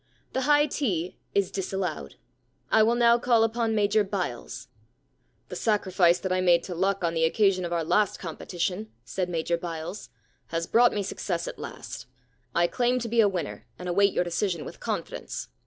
The high tea is disallowed. I will now call upon Major Byles.' * The sacrifice that I made to luck on the occasion of our last competition,' said Major Byles, * has brought me success at last. I claim to be a winner, and await your decision with confidence.